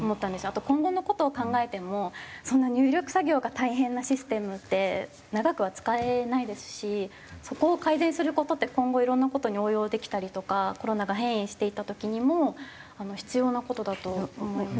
あと今後の事を考えてもそんな入力作業が大変なシステムって長くは使えないですしそこを改善する事って今後いろんな事に応用できたりとかコロナが変異していった時にも必要な事だと思いました。